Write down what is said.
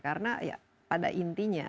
karena ya pada intinya